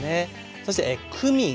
そしてクミン。